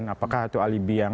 apakah itu alibi yang